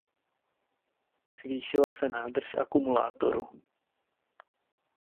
Zvýšila se výdrž akumulátoru.